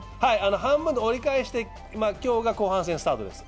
半分で折り返して後半戦スタートです。